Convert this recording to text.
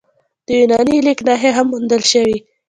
د یوناني لیک نښې هم موندل شوي